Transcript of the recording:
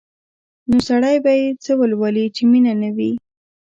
نو سړی به یې څه ولولي چې مینه نه وي؟